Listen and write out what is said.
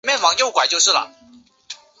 总部位于东京都立川市营运基地敷地内。